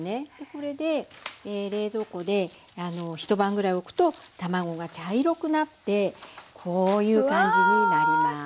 これで冷蔵庫で一晩ぐらいおくと卵が茶色くなってこういう感じになります。